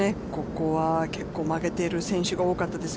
ここは結構曲げている選手が多かったです。